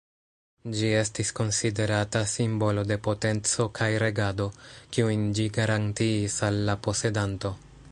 Ĝi estis konsiderata simbolo de potenco kaj regado, kiujn ĝi garantiis al la posedanto.